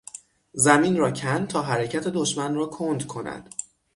زمین را کند تا حرکت دشمن را کند کند